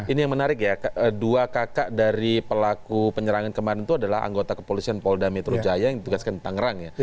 ini yang menarik ya dua kakak dari pelaku penyerangan kemarin itu adalah anggota kepolisian polda metro jaya yang ditugaskan di tangerang ya